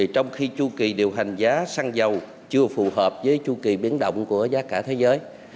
trong khi chu kỳ điều hành giá xăng dầu chưa phù hợp với chu kỳ biến động của giá cả thế giới